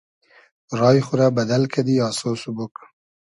رای خو رۂ بئدئل کئدی آسۉ سوبوگ